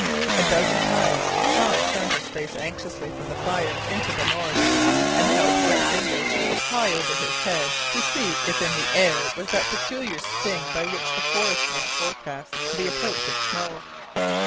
A dozen times Jean turned his face anxiously from the fire into the north, and held wet fingers high over his head to see if in the air was that peculiar sting by which the forest man forecasts the approach of snow.